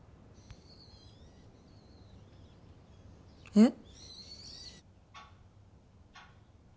えっ。